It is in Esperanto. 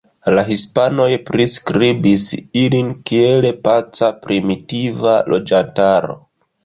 La hispanoj priskribis ilin kiel paca primitiva loĝantaro.